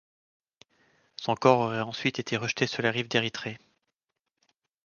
Son corps aurait ensuite été rejeté sur les rives d'Érythrées.